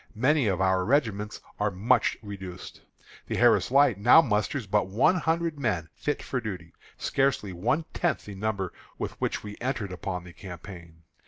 Many of our regiments are much reduced. The Harris Light now musters but one hundred men fit for duty, scarcely one tenth the number with which we entered upon the campaign.